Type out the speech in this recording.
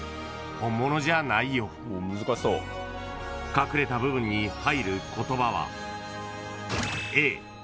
［隠れた部分に入る言葉は］